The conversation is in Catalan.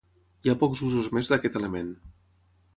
Hi ha pocs usos més d'aquest element.